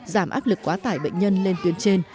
giảm áp lực quá tải bệnh nhân lên tuyến trên